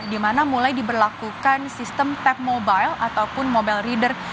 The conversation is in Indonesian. di mana mulai diberlakukan sistem tap mobile ataupun mobile reader